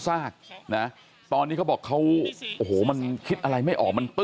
สวยชีวิตทั้งคู่ก็ออกมาไม่ได้อีกเลยครับ